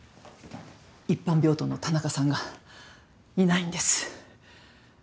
一般病棟の田中さんがいないんです。